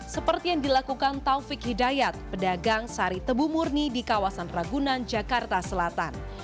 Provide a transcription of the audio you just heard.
seperti yang dilakukan taufik hidayat pedagang sari tebumurni di kawasan pragunan jakarta selatan